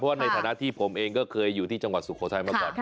ในฐานะที่ผมเองก็เคยอยู่ที่จังหวัดสุโขทัยมาก่อน